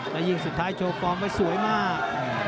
และยิ่งสุดท้ายโชว์ฟอร์มไว้สวยมาก